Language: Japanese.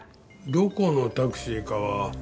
どこのタクシーかは？